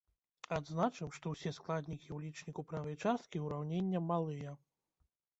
Адзначым, што ўсе складнікі ў лічніку правай часткі ўраўнення малыя.